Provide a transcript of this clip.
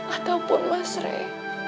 ataupun mas rey